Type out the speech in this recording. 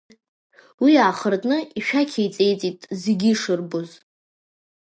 Уи аахыртны, ишәақь еиҵеиҵеит, зегьы ишырбоз.